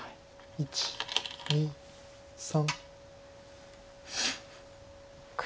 １２３。